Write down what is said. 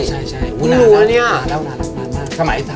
ใช่พูดหน่านะเนี่ย